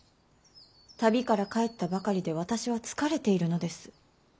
旅から帰ったばかりで私は疲れているのです。